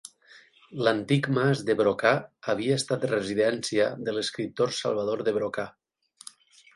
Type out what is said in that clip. L'antic mas de Brocà havia estat residència de l'escriptor Salvador de Brocà.